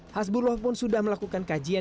hasbuloh pun sudah melakukan kajian